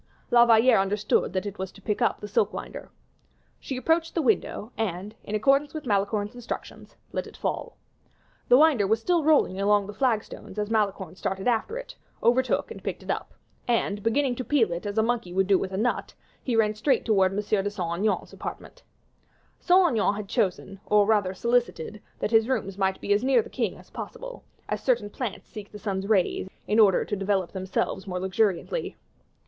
La Valliere understood that it was to pick up the silk winder. She approached the window, and, in accordance with Malicorne's instructions, let it fall. The winder was still rolling along the flag stones as Malicorne started after it, overtook and picked it up, and beginning to peel it as a monkey would do with a nut, he ran straight towards M. de Saint Aignan's apartment. Saint Aignan had chosen, or rather solicited, that his rooms might be as near the king as possible, as certain plants seek the sun's rays in order to develop themselves more luxuriantly.